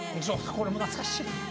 これも懐かしい。